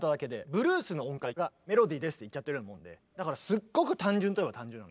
ブルースの音階がメロディーですって言っちゃってるようなもんでだからすっごく単純といえば単純。